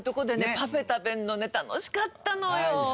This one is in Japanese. パフェ食べるのね楽しかったのよ！